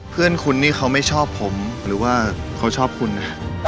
เพื่อนคุณนี่เขาไม่ชอบผมหรือว่าเขาชอบคุณนะ